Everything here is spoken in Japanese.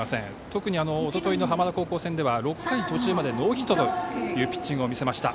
特におとといの浜田高校戦では６回途中までノーヒットというピッチングを見せました。